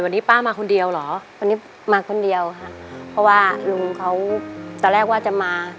วันนี้ป้ามาคนเดียวเหรอวันนี้มาคนเดียวค่ะเพราะว่าลุงเขาตอนแรกว่าจะมา